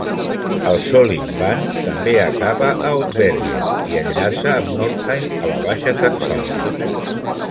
El Sollingbahn també acaba a Ottbergen i enllaça amb Northeim a la Baixa Saxònia.